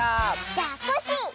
じゃあコッシー！